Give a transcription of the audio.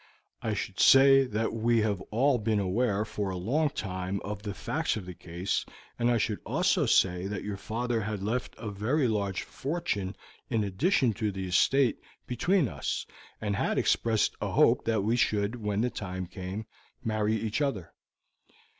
I should say that we have all been aware for a long time of the facts of the case, and I should also say that your father had left a very large fortune in addition to the estate between us, and had expressed a hope that we should, when the time came, marry each other."